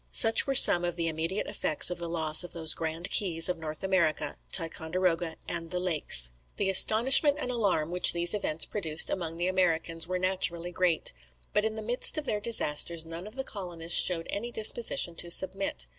Such were some of the immediate effects of the loss of those grand keys of North America, Ticonderoga and the lakes." The astonishment and alarm which these events produced among the Americans were naturally great; but in the midst of their disasters none of the colonists showed any disposition to submit.